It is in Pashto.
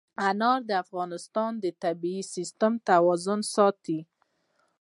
انار د افغانستان د طبعي سیسټم توازن ساتي.